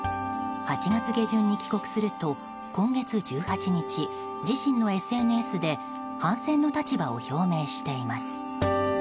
８月下旬に帰国すると今月１８日自身のＳＮＳで反戦の立場を表明しています。